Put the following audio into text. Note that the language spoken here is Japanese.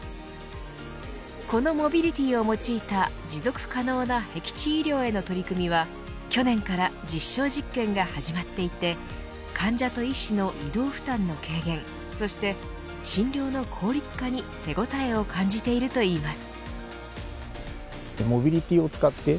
このモビリティを用いた持続可能なへき地医療への取り組みは去年から実証実験が始まっていて患者と医師の移動負担の軽減そして診療の効率化に手応えを感じているといいます。